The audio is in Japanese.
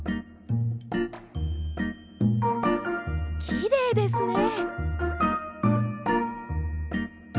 きれいですね。